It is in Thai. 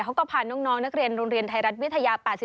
เขาก็พาน้องนักเรียนโรงเรียนไทยรัฐวิทยา๘๔